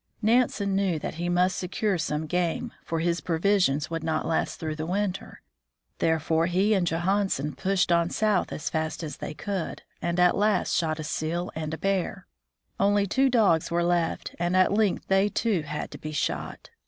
Nansen knew that he must secure some game, for his provisions would not last through the winter; therefore he and Johansen pushed on south as fast as they could, and at last shot a seal and a bear. Only two dogs were left, and at length they too had to be shot.